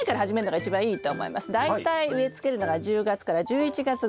大体植えつけるのが１０月から１１月ぐらい。